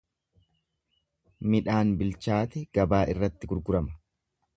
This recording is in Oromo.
Midhaan bilchaate gabaa irratti gurgurama.